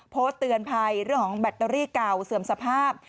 โพสต์เตือนภัยเรื่องของแบตเตอรี่เก่าเสื่อมสภาพ